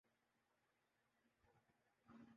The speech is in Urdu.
تو وہ کیوں ان مذہبی جماعتوں کو یک جا نہیں کر رہا؟